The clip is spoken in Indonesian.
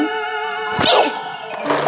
misalnya aku beli lagi